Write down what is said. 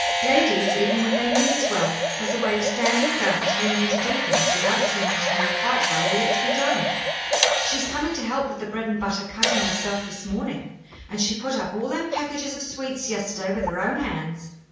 Ladies, even when they means well, has a way of standing about and telling you to do things without seeming to know quite how they ought to be done. She's coming to help with the bread and butter cutting herself this morning, and she put up all them packages of sweets yesterday with her own hands.